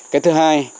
cái thứ hai